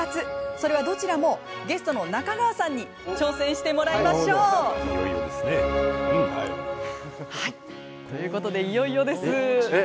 それは、どちらもゲストの中川さんに挑戦してもらいましょう。ということでいよいよです。